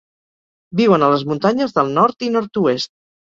Viuen a les muntanyes del nord i nord-oest.